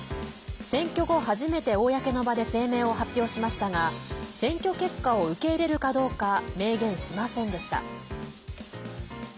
選挙後、初めて公の場で声明を発表しましたが選挙結果を受け入れるかどうか明言しませんでした。